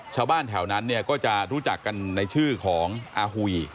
ชาวบ้านแถวนั้นเนี่ยก็จะรู้จักกันในชื่อของอาหุย